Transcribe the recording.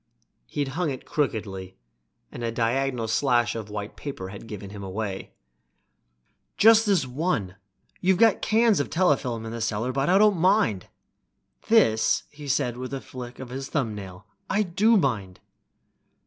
He'd hung it crookedly, and a diagonal slash of white wallpaper had given him away. "Just this one. You've got cans of telefilm in the cellar, but them I don't mind. This," he flicked it with a thumbnail, "I do mind."